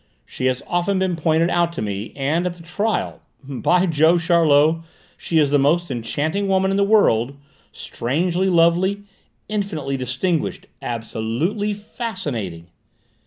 She has often been pointed out to me: and at the trial By Jove, Charlot, she is the most enchanting woman in the world: strangely lovely, infinitely distinguished, absolutely fascinating!"